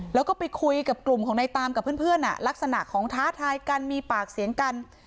แล้วก็ไปคุยกับกลุ่มของในตามกับเพื่อนลักษณะของท้าทายกันมีปากเสียงกัน